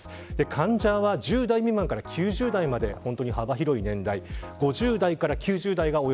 患者は１０代未満から９０代まで幅広い年代です。